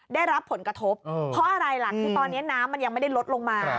ได้รับผลกระทบเพราะอะไรล่ะคือตอนนี้น้ำมันยังไม่ได้ลดลงมา